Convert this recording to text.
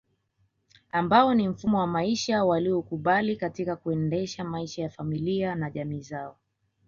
Ambao ni mfumo wa maisha walioukubali katika kuendesha maisha ya familia na jamii zao